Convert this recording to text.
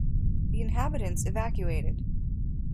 The inhabitants evacuated.